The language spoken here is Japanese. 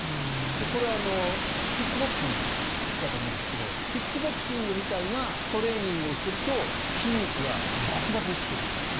これ、キックボクシングだと思うんですけどキックボクシングみたいなトレーニングをすると筋肉がバキバキにつくという。